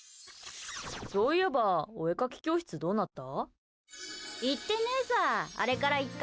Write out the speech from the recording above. そういえばお絵かき教室どうなった？